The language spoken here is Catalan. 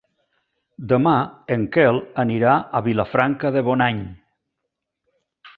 Demà en Quel anirà a Vilafranca de Bonany.